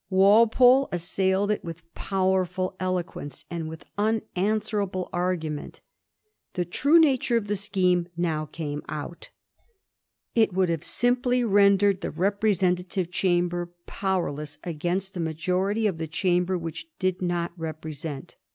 Walpole assailed it with powerful eloquence and with unan swerable argument. The true nature of the scheme now came out. It would have simply rendered the representative chamber powerless against a majority of the chamber which did not represent.